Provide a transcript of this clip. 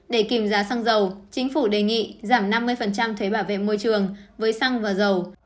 để kìm giá xăng dầu chính phủ đề nghị giảm năm mươi thuế bảo vệ môi trường với xăng và dầu